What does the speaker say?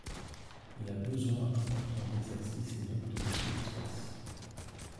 Il a besoin important d'exercice et donc de beaucoup d'espace.